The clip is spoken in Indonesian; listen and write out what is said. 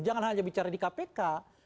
jangan hanya bicara di kpk